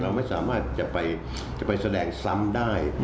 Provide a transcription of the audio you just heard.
เราไม่สามารถจะไปแสดงซ้ำได้